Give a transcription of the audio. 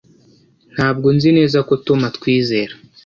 Ntabwo nzi neza ko Tom atwizera